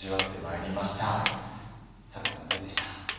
咲楽さんどうでした？